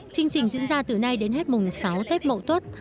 chương trình diễn ra từ nay đến hết mùng sáu tết mậu tuất